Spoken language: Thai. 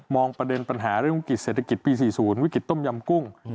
ประเด็นปัญหาเรื่องวิกฤตเศรษฐกิจปี๔๐วิกฤตต้มยำกุ้ง